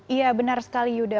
iya benar sekali yuda